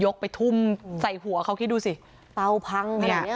ไปทุ่มใส่หัวเขาคิดดูสิเตาพังขนาดเนี้ย